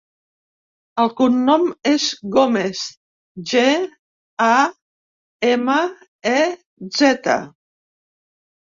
El cognom és Gamez: ge, a, ema, e, zeta.